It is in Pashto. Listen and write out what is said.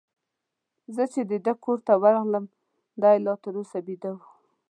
زه چي د ده کور ته ورغلم، دی لا تر اوسه بیده وو.